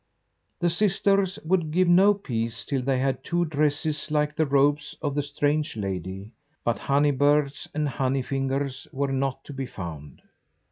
The sisters would give no peace till they had two dresses like the robes of the strange lady; but honey birds and honey fingers were not to be found.